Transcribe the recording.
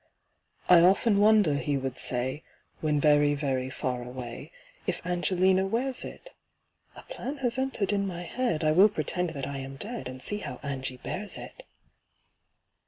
"I often wonder," he would say, When very, very far away, "If ANGELINA wears it? A plan has entered in my head: I will pretend that I am dead, And see how ANGY bears it."